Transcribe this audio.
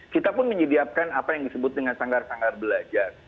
kita pun menyediakan apa yang disebut dengan sanggar sanggar belajar